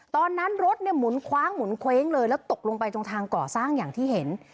ตอนนั้นรถเนี่ยหมุนคว้างหมุนเว้งเลยแล้วตกลงไปตรงทางก่อสร้างอย่างที่เห็น